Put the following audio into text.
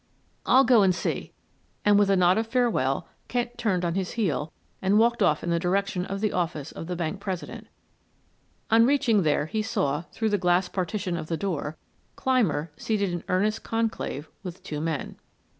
"I'll go and see," and with a nod of farewell Kent turned on his heel and walked off in the direction of the office of the bank president. On reaching there he saw, through the glass partition of the door, Clymer seated in earnest conclave with two men.